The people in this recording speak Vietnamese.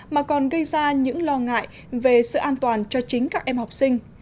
mà còn gây ra những lo ngại về sự an toàn cho chính các em học sinh